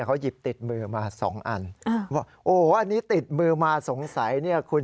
ชีวิตเปลี่ยน